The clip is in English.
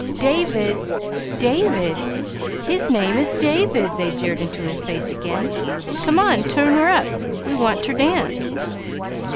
"David! David! His name is David," they jeered into his face again. "Come on, tune her up! We want ter dance."